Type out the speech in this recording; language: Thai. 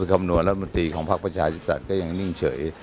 คำนวณรัฐบุรตีของภาคประชาชนิตศาสตร์ก็ยังนิ่งเฉย